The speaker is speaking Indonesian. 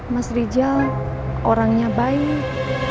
mas rizal orangnya baik